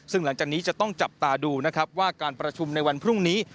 ซึ่งหลังจากนี้จะต้องจับตาดูนะครับว่าการประชุมในวันพรุ่งนี้